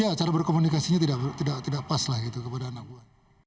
iya cara berkomunikasinya tidak pas lah gitu kepada anak buah